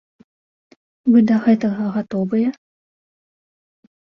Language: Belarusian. Вы да гэтага гатовыя?